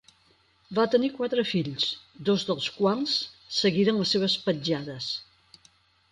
Va tenir quatre fills, dos dels quals seguiren les seves petjades.